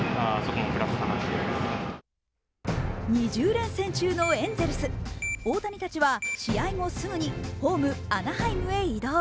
２０連戦中のエンゼルス大谷たちは試合後、すぐにホームアナハイムへ移動。